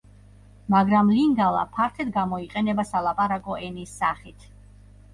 მაგრამ ლინგალა ფართედ გამოიყენება სალაპარაკო ენის სახით.